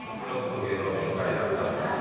芸能人２人なっちゃったという。